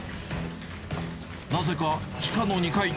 なぜか地下の２階。